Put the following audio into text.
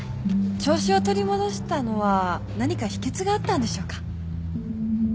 調子を取り戻したのは何か秘訣があったんでしょうか？